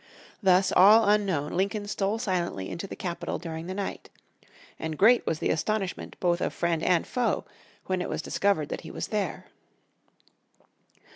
Thus, all unknown, Lincoln stole silently into the capital during the night. And great was the astonishment both of friend and foe when it was discovered that he was there.